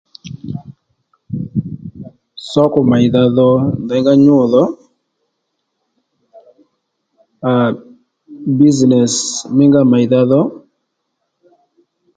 Sǒkò mèydha dhò nděy ngá nyû dho à bísìnès mí nga mèydha dho